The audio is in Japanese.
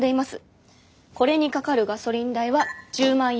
これにかかるガソリン代は１０万円。